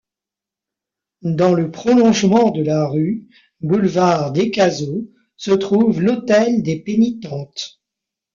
Dans le prolongement de la rue, boulevard Descazeaux, se trouve l'hôtel des Pénitentes.